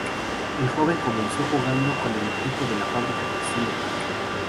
El joven comenzó jugando con el equipo de la fábrica textil local.